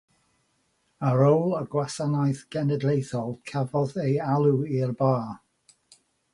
Ar ôl y Gwasanaeth Cenedlaethol cafodd ei alw i'r Bar.